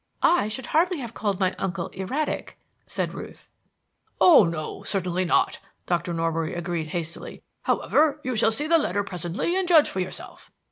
"I should hardly have called my uncle erratic," said Ruth. "No, no. Certainly not," Dr. Norbury agreed hastily. "However, you shall see the letter presently and judge for yourself.